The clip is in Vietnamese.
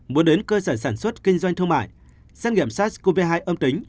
muốn đến cơ sở sản xuất kinh doanh thương mại xét nghiệm sars cov hai âm tính